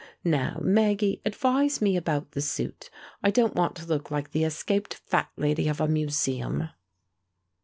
Now, Maggie, advise me about the suit. I don't want to look like the escaped fat lady of a museum."